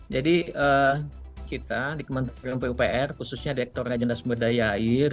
jadi kita di kementerian pupr khususnya direktur rajenda jensum berdaya air